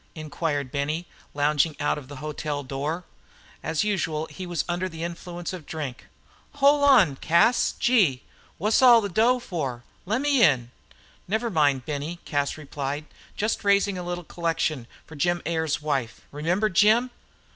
Inquired Benny, lounging out of the hotel door. As usual he was under the influence of drink. "Hol' on, Cas gee! Wha's all the dough for? Lemme in." "Never mind, Benny," replied Cas. "Just raising a little collection for Jim Ayers' wife. Remember Jim?"